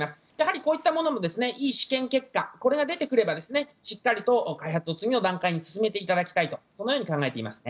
こういったものもいい試験結果が出てくればしっかり開発を次の段階に進めていただきたいとこのように考えています。